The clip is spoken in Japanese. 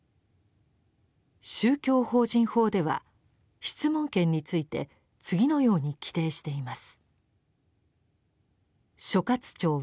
「宗教法人法」では質問権について次のように規定しています。